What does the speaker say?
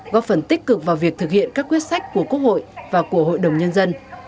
góp phần tích cực vào việc thực hiện các quyết sách của quốc hội và của hội đồng nhân dân